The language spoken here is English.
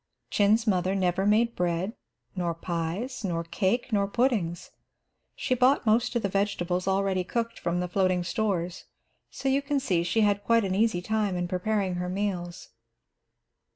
Chin's mother never made bread, nor pies, nor cake, nor puddings. She bought most of the vegetables already cooked from the floating stores, so you can see she had quite an easy time in preparing her meals.